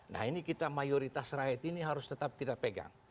nah ini kita mayoritas rakyat ini harus tetap kita pegang